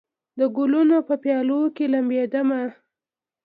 د ګلونو په پیالو کې لمبېدمه